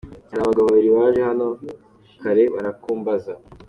Nyamvumba babanje kureba ko Ingabo ziteguye.